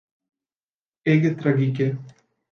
Ege tragike.